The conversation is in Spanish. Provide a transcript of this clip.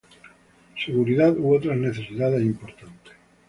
seguridad u otras necesidades importantes